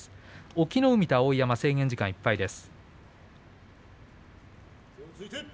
隠岐の海と碧山制限時間いっぱいです。